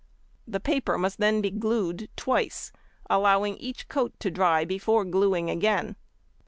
The paper must then be glued twice, allowing each coat to dry before gluing again.